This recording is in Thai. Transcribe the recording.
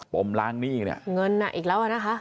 มล้างหนี้เนี่ยเงินน่ะอีกแล้วอ่ะนะคะ